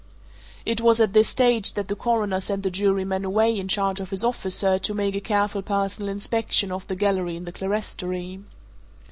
It was at this stage that the Coroner sent the jurymen away in charge of his officer to make a careful personal inspection of the gallery in the clerestory.